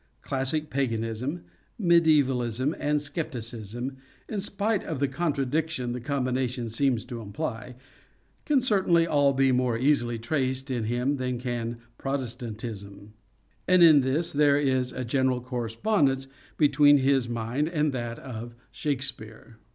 Classic paganism, medievalism and scepticism, in spite of the contradiction the combination seems to imply, can certainly all be more easily traced in him than can Protestantism ; and in this there is a general correspondence between his mind and that of " Shakespeare."